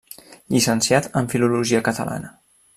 Llicenciat en filologia catalana.